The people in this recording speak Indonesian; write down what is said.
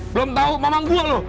belom tau mamang gue lo